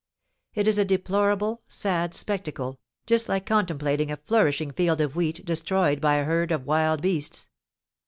It is a deplorable, sad spectacle, just like contemplating a flourishing field of wheat destroyed by a herd of wild beasts.